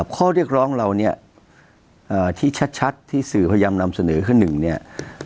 ข้อเรียกร้องเราเนี่ยที่ชัดที่สื่อพยายามนำเสนอคือ๑เนี่ย